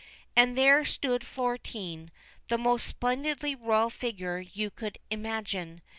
And there stood Florine, the most splendidly royal figure you could imagine.